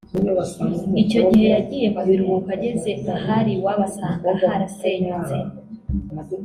Icyo gihe yagiye mu biruhuko ageze ahari iwabo asanga harasenyutse